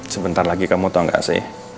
sebentar lagi kamu tau gak sih